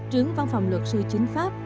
trướng văn phòng luật sư chính pháp